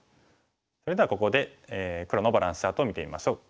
それではここで黒のバランスチャートを見てみましょう。